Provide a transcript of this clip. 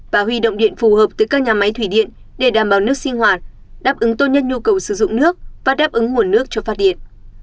và huy động điện phù hợp tới các nhà máy thủy điện để đảm bảo nước sinh hoạt đáp ứng tốt nhất nhu cầu sử dụng nước và đáp ứng nguồn nước cho phát điện